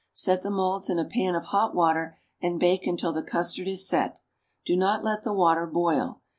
Set the moulds in a pan of hot water and bake until the custard is set. Do not let the water boil.